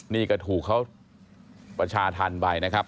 นี่ก็ถูกเขาประชาธรรมไปนะครับ